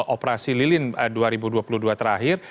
operasi lilin dua ribu dua puluh dua terakhir